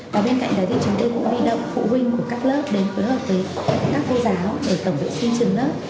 và bên cạnh đấy thì chúng tôi cũng huy động phụ huynh của các lớp đến phối hợp với các cô giáo để tổng vệ sinh trường lớp